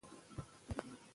غزني ولايت اتلس ولسوالۍ لري.